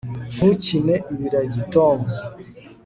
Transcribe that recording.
ntukine ibiragi, tom